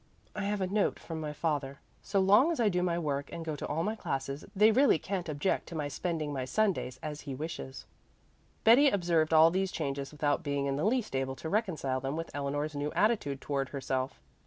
"I have a note from my father. So long as I do my work and go to all my classes, they really can't object to my spending my Sundays as he wishes." Betty observed all these changes without being in the least able to reconcile them with Eleanor's new attitude toward herself.